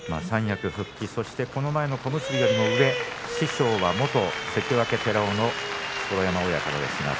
三役復帰そしてこの間の小結より上師匠は元関脇寺尾の錣山親方です。